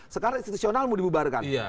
sekarang institusional mau dibubarkan